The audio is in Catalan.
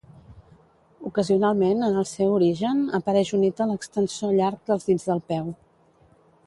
Ocasionalment, en el seu origen, apareix unit a l'extensor llarg dels dits del peu.